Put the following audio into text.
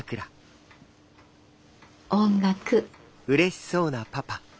音楽。